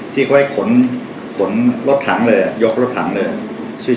ที่เขาเข้าให้ขนรถถังเลยยกรถถังเลย